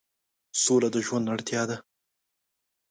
سوله د ژوند اړتیا ده.